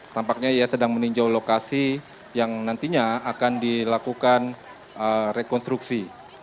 tampaknya ia sedang meninjau lokasi yang nantinya akan dilakukan rekonstruksi